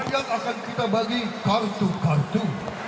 nanti rakyat akan kita bagi kartu kartu